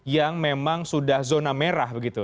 yang memang sudah zona merah begitu